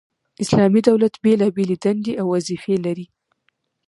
اسلامي دولت بيلابېلي دندي او وظيفي لري،